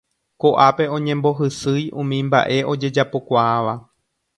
Koʼápe oñembohysýi umi mbaʼe ojejapokuaáva.